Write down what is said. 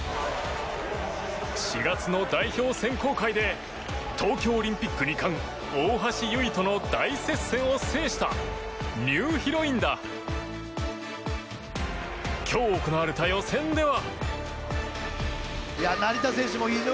４月の代表選考会で東京オリンピック２冠大橋悠依との大接戦を制したニューヒロインだ！今日行われた予選では。